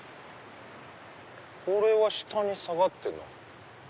これは下に下がってるな。